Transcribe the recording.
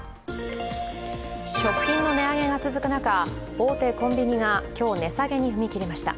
食品の値上げが続く中、大手コンビニが今日、値下げに踏み切りました。